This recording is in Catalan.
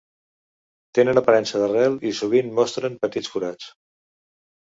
Tenen aparença d'arrel i sovint mostren petits forats.